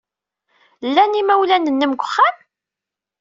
Llan yimawlan-nnem deg uxxam?